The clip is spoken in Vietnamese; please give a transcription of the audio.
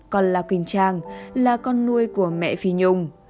còn là quỳnh trang là con nuôi của mẹ phi nhung